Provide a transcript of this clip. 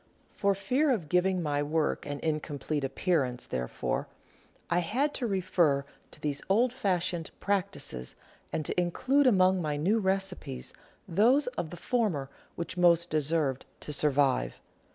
For fear of giving my work an incomplete appear ance, therefore, I had to refer to these old fashioned practices and to include among my new recipes those of the former which most deserved to survive.